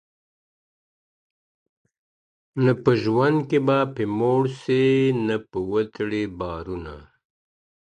نه په ژوند کي به په موړ سې نه به وتړې بارونه.